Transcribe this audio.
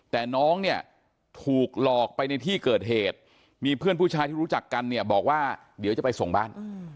แต่น้องเนี่ยถูกหลอกไปในที่เกิดเหตุมีเพื่อนผู้ชายที่รู้จักกันเนี่ยบอกว่าเดี๋ยวจะไปส่งบ้าน